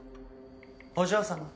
お嬢様。